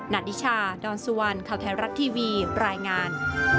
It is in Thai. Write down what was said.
นาดิชาดอนสุวรรณข่าวไทยรัฐทีวีรายงาน